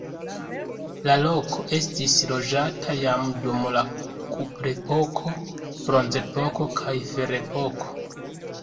La loko estis loĝata jam dum la kuprepoko, bronzepoko kaj ferepoko.